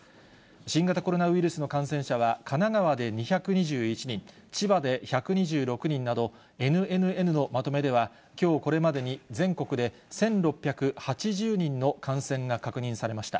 新型コロナウイルスの感染者は、神奈川で２２１人、千葉で１２６人など、ＮＮＮのまとめでは、きょうこれまでに全国で１６８０人の感染が確認されました。